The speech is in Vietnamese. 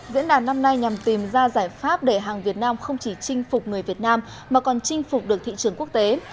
diễn đàn năm nay nhằm tìm ra giải pháp để hàng việt nam không chỉ chinh phục người việt nam mà còn chinh phục được thị trường quốc tế